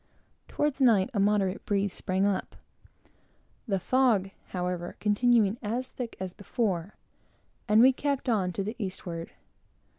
Toward night a moderate breeze sprang up; the fog however continuing as thick as before; and we kept on to the eastward.